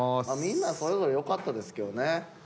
みんなそれぞれ良かったですけどね。